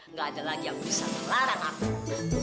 nggak ada lagi yang bisa melarang aku